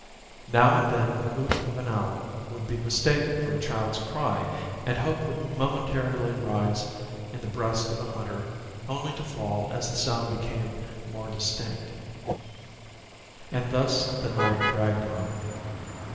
Now and then the hoot of an owl would be mistaken for a child's cry, and hope would momentarily rise in the breast of a hunter only to fall as the sound became more distinct. And thus the night dragged on.